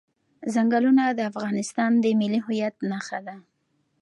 چنګلونه د افغانستان د ملي هویت نښه ده.